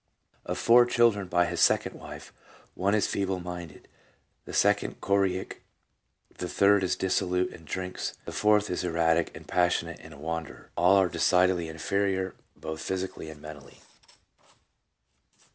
Of four children by his second wife, one is feeble minded, the second choreic, the third is dissolute and drinks, the fourth is erratic, passionate, and a wanderer. All are decidedly inferior both physically and mentally.